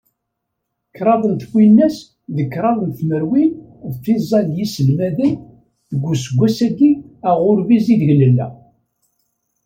Kraḍ twinas d kraḍ tmerwin d tẓa n yiselmaden, deg useggas-agi aɣurbiz ideg nella.